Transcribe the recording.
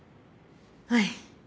はい。